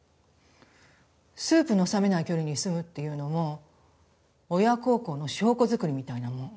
スープの冷めない距離に住むっていうのも親孝行の証拠作りみたいなもの。